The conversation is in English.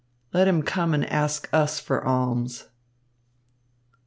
Let him come and ask us for alms."